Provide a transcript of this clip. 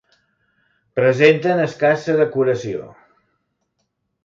Presenten escassa decoració.